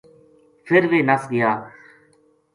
فر ویہ نس گیا